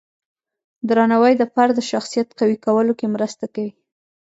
درناوی د فرد د شخصیت قوی کولو کې مرسته کوي.